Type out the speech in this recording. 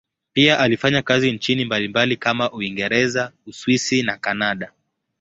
Pia alifanya kazi nchini mbalimbali kama Uingereza, Uswisi na Kanada.